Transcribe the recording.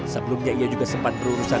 sebelumnya ia juga sempat berurusan